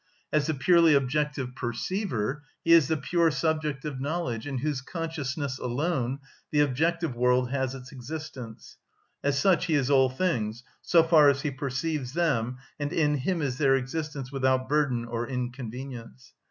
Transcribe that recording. As the purely objective perceiver, he is the pure subject of knowledge in whose consciousness alone the objective world has its existence; as such he is all things so far as he perceives them. and in him is their existence without burden or inconvenience.